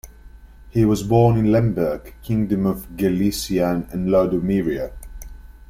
He was born in Lemberg, Kingdom of Galicia and Lodomeria.